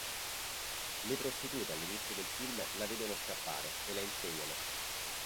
Le prostitute all'inizio del film la vedono scappare e la inseguono.